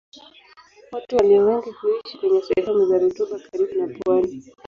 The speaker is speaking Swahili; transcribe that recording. Watu walio wengi huishi kwenye sehemu za rutuba karibu na pwani.